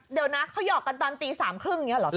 เดี๋ยวนะเขาหยอกกันตอนตีสามครึ่งอย่างนี้หรอ